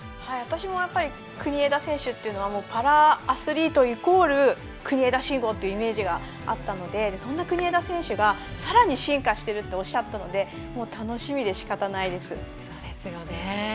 国枝選手というのはパラアスリートイコール国枝慎吾というイメージがあったのでそんな国枝選手がさらに進化してるっておっしゃったので楽しみでしかたがないです。